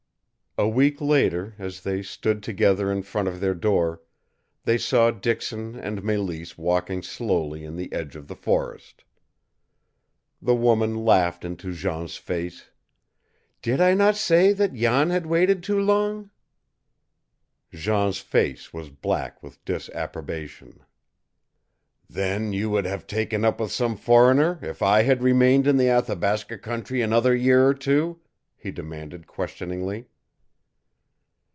A week later, as they stood together in front of their door, they saw Dixon and Mélisse walking slowly in the edge of the forest. The woman laughed into Jean's face. "Did I not say that Jan had waited too long?" Jean's face was black with disapprobation. "Then you would have taken up with some foreigner if I had remained in the Athabasca country another year or two?" he demanded questioningly.